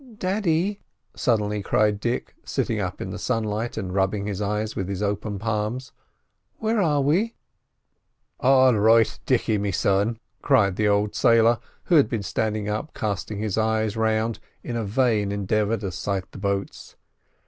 "Daddy!" suddenly cried Dick, sitting up in the sunlight and rubbing his eyes with his open palms. "Where are we?" "All right, Dicky, me son!" cried the old sailor, who had been standing up casting his eyes round in a vain endeavour to sight the boats.